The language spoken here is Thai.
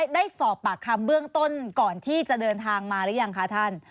ได้สอบปากคำเบื้องต้นก่อนที่จะเดินทางมาหรือยังคะท่าน